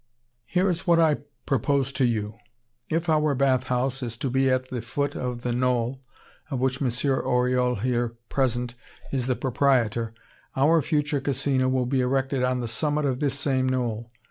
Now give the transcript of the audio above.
"Here is what I propose to you: If our bathhouse is to be at the foot of the knoll, of which M. Oriol, here present, is the proprietor, our future Casino will be erected on the summit of this same knoll.